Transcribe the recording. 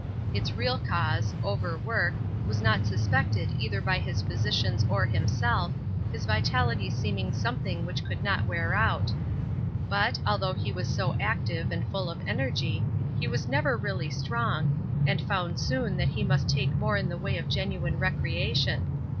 Its real cause—overwork—was not suspected either by his physicians or himself, his vitality seeming something which could not wear out; but, although he was so active and full of energy, he was never really strong, and found soon that he must take more in the way of genuine recreation.